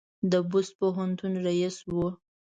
د بُست پوهنتون رییس و.